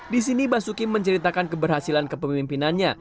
di sini basuki menceritakan keberhasilan kepemimpinannya